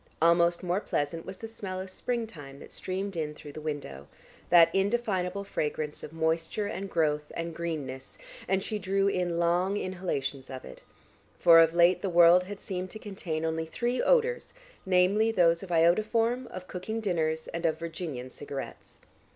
Almost more pleasant was the smell of springtime that streamed in through the window, that indefinable fragrance of moisture and growth and greenness, and she drew in long inhalations of it, for of late the world had seemed to contain only three odours, namely those of iodoform, of cooking dinners and of Virginian cigarettes.